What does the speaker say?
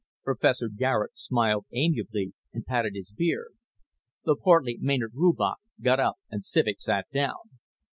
Professor Garet smiled amiably and patted his beard. The portly Maynard Rubach got up and Civek sat down.